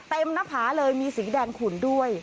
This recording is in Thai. หน้าผาเลยมีสีแดงขุนด้วย